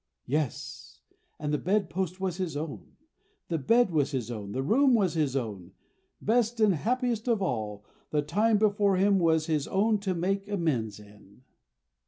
Yes! and the bedpost was his own. The bed was his own, the room was his own. Best and happiest of all, the Time before him was his own to make amends in.